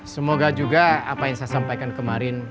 semoga juga apa yang saya sampaikan kemarin